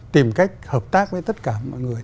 tìm cách hợp tác với tất cả mọi người